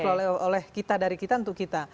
oleh kita dari kita untuk kita